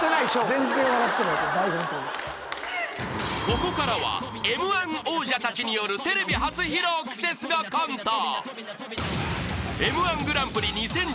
［ここからはＭ−１王者たちによるテレビ初披露クセスゴコント］